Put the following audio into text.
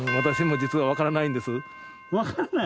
わからない？